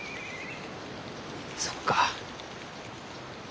そっか。